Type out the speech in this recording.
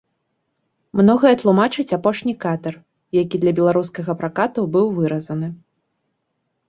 Многае тлумачыць апошні кадр, які для беларускага пракату быў выразаны.